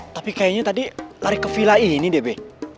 tapi kayaknya tadi lari ke villa ini deh be